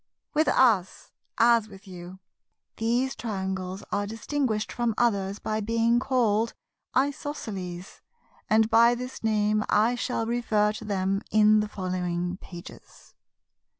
With us, as with you, these Triangles are distinguished from others by being called Isosceles; and by this name I shall refer to them in the following pages.